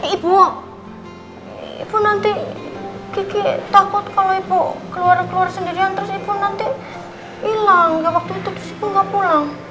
ibu ibu nanti kiki takut kalau ibu keluar keluar sendirian terus ibu nanti hilang ya waktu itu ibu nggak pulang